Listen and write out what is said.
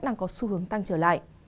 đang có xu hướng tăng trở lại